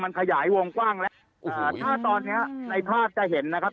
มันขยายวงกว้างแล้วอ่าถ้าตอนเนี้ยในภาพจะเห็นนะครับ